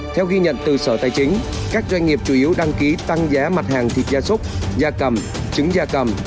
theo ghi nhận từ sở tài chính các doanh nghiệp chủ yếu đăng ký tăng giá mặt hàng thịt gia súc gia cầm trứng da cầm